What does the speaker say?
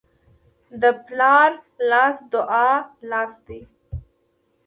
د پلار لاس د دعا لاس دی.